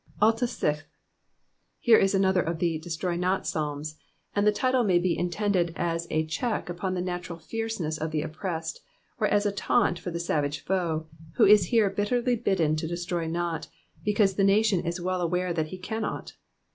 Al taschith. Here is another oj the *' destroy not*' Psalms, and the title may be intended as a check upon the natural fierceness of the oppressed, or a taunt for the savage foe, who is hare bitterly bidden to destroy not, because the nation is toell aware that lie cannot.